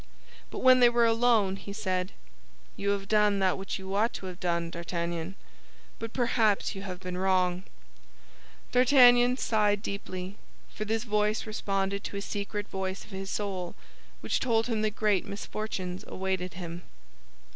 But when they were alone he said, "You have done that which you ought to have done, D'Artagnan; but perhaps you have been wrong." D'Artagnan sighed deeply, for this voice responded to a secret voice of his soul, which told him that great misfortunes awaited him.